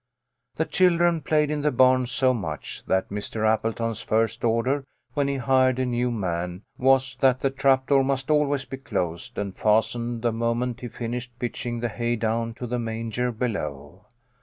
The children played in the barn so much that Mr. Appleton's first order, when he hired a new man, was that the trap door must always be closed and fastened the moment he finished pitching the hay down to the manger below.